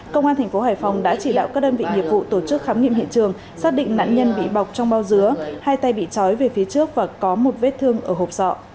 công an thành phố hải phòng đã chỉ đạo các đơn vị nghiệp vụ tổ chức khám nghiệm hiện trường xác định nạn nhân bị bọc trong bao dứa hai tay bị chói về phía trước và có một vết thương ở hộp sọ